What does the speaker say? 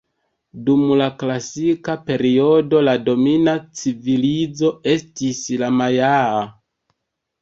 Dum la Klasika periodo la domina civilizo estis la Majaa.